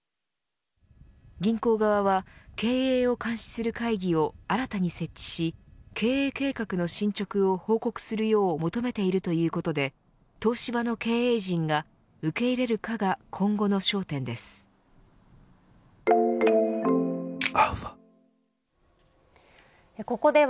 銀行側は経営を監視する会議を新たに設置し経営計画の進捗を報告するよう求めているということで東芝の経営陣が受け入れるかが今後の焦点です。